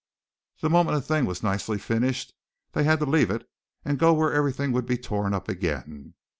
The moment a thing was nicely finished they had to leave it and go where everything would be torn up again.